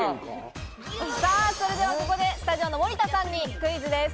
それではここでスタジオの森田さんにクイズです。